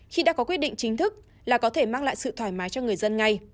khi đã có quyết định chính thức là có thể mang lại sự thoải mái cho người dân ngay